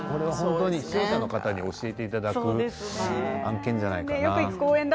近所の方に教えていただく案件じゃないかな。